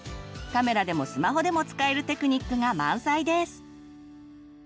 カメラでもスマホでも使えるテクニックが満載です！